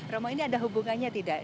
romo ini ada hubungannya tidak